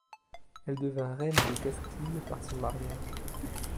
Elle devint reine de Castille par son mariage.